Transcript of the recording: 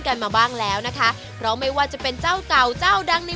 กันมาบ้างแล้วนะคะเพราะไม่ว่าจะเป็นเจ้าเก่าเจ้าดังใน